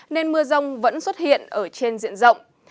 nên mưa rông vẫn xuất hiện ở trên diện rộng